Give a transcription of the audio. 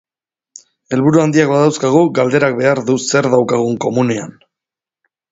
Helburu handiak badauzkagu, galderak behar du zer daukagun komunean.